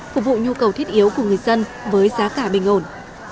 phục vụ nhu cầu thiết yếu của người dân với giá cả bình ổn